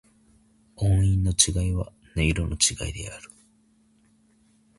音韻の違いは、音色の違いである。